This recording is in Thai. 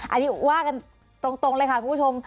อันนี้ว่ากันตรงเลยค่ะคุณผู้ชม